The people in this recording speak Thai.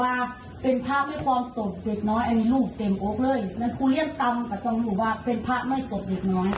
อัตตามากก็ยอมรับว่าอัตตามากก็จะใช้แบบ